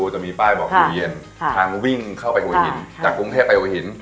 ทางวิ่งเข้าไปหัวหินจากกรุงเทพไปหัวหิน